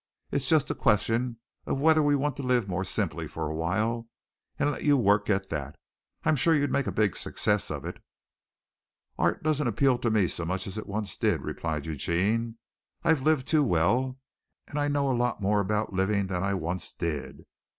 It's just a question of whether we want to live more simply for a while and let you work at that. I'm sure you'd make a big success of it." "Art doesn't appeal to me so much as it did once," replied Eugene. "I've lived too well and I know a lot more about living than I once did.